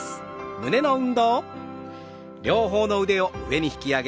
胸の運動です。